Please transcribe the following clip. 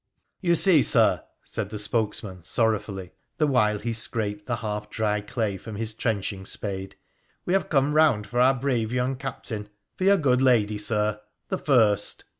' You see, Sir,' said the spokesman, sorrowfully, the while le scraped the half dry clay from off his trenching spade, we have come round for our brave young captain — for your *ood lady, Sir — the first.